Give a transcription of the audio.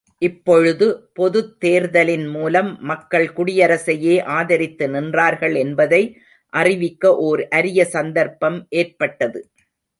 இப்பொழுது பொதுத்தேர்தலின் மூலம் மக்கள் குடியரசையே ஆதரித்து நின்றார்கள் என்பதை அறிவிக்க ஒர் அரிய சந்தர்ப்பம் ஏற்பட்டது.